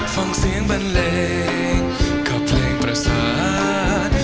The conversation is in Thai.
ฟังเสียงบันเลงกับเพลงประสาน